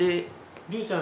りゅうちゃん